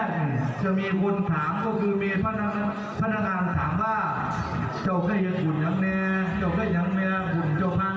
ที่สองนี่ก็บอกว่าจะต้องหาคนมารังรังหน้าไฟเพื่อเป็นการเกลือดตาม